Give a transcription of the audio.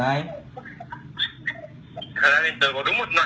thật ra thì tớ có đúng một loại